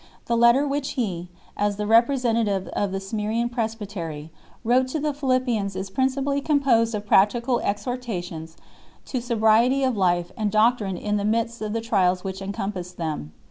The letter which he, as the representative of the Smyrnsean pres bytery, wrote to the Philippians is principally composed of practical exhortations to sobriety of life and doctrine in the midst of the trials which encompassed them.